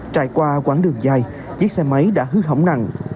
trải qua quãng đường dài chiếc xe máy đã hư hỏng nặng